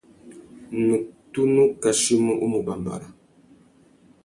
Nnú tunu kachimú u mù bàmbàra.